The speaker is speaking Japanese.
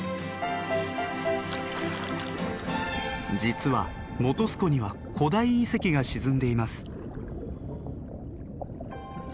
実は本栖湖には古代遺跡が沈んでいます。